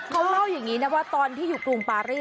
เขาเล่าอย่างนี้นะว่าตอนที่อยู่กรุงปารี